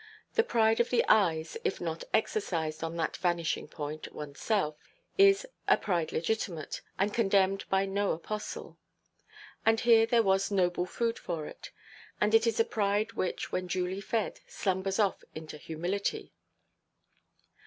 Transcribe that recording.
The pride of the eyes, if not exercised on that vanishing point, oneself, is a pride legitimate, and condemned by no apostle. And here there was noble food for it; and it is a pride which, when duly fed, slumbers off into humility.